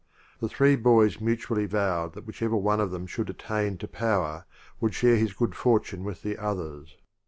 The three boys mutually vowed that whichever one of them should attain to power would share his good fortune with the others.